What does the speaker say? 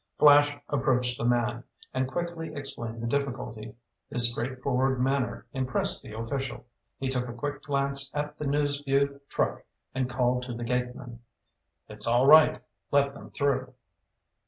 Flash approached the man, and quickly explained the difficulty. His straightforward manner impressed the official. He took a quick glance at the News Vue truck and called to the gateman. "It's all right. Let them through."